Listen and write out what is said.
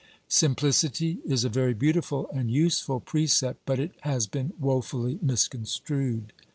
Simplicity is a very beautiful and useful precept, but it has been woefully misconstrued.